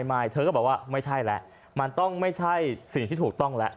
ไม่เธอก็บอกว่าไม่ใช่แล้วมันต้องไม่ใช่สิ่งที่ถูกต้องแล้ว